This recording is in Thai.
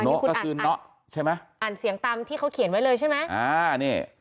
น็อก็คือน็อกใช่ไหมอ่านเสียงตามที่เขาเขียนไว้เลยใช่ไหม